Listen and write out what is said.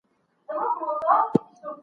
سالم رقابت د پرمختګ لامل کيږي.